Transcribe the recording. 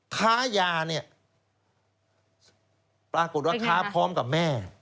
ค้ายาเนี่ยปรากฏว่าค้าพร้อมกับแม่